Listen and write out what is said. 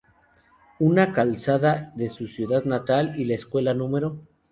Una calzada de su ciudad natal y la Escuela No.